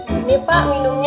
ini pak minumnya